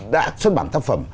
đã xuất bản tác phẩm